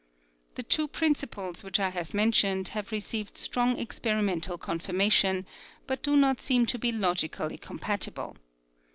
The two principles which I have mentioned have received strong experimental confirma tion, but do not seem to be logically com patible.